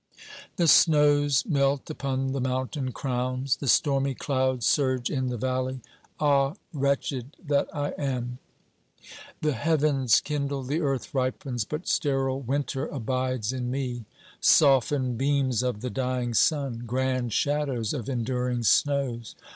The snows melt upon the mountain crowns ; the stormy clouds surge in the valley. Ah, wretched that I am ! The heavens kindle, the earth ripens, but sterile winter abides in me. Softened beams of the dying sun ! grand shadows of enduring snows